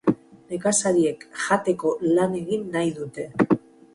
Nekazariek jateko lan egin nahi dute.